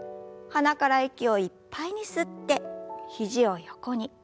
鼻から息をいっぱいに吸って肘を横に。